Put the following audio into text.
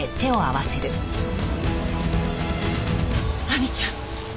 亜美ちゃん